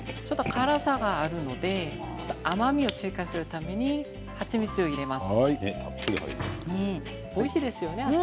辛さがあるので甘みを追加するために蜂蜜を入れます。